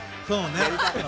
そうね。